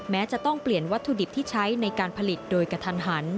แม้จะต้องเปลี่ยนวัตถุดิบที่ใช้ในการผลิตโดยกระทันหัน